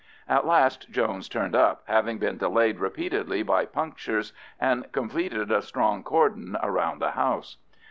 At last Jones turned up, having been delayed repeatedly by punctures, and completed a strong cordon round the house.